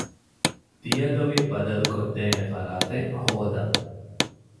ދިޔަދޮވި ބަދަލުުކޮށްދޭނެ ފަރާތެއް ހޯދަން